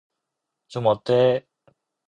좀 어때?